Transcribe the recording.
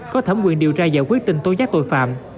có thẩm quyền điều tra giải quyết tình tố giác tội phạm